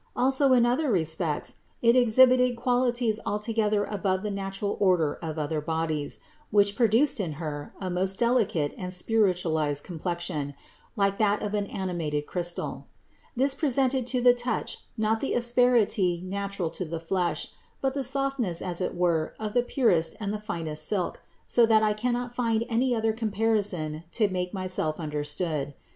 Also in other re spects it exhibited qualities altogether above the natural order of other bodies, which produced in Her a most delicate and spiritualized complexion, like that of an animated crystal. This presented to the touch not the asperity natural to the flesh, but the softness as it were of the purest and the finest silk, so that I cannot find any other comparison to make myself understood.